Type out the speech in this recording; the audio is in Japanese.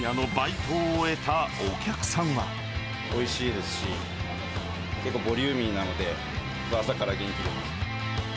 おいしいですし、結構ボリューミーなので、朝から元気出ます。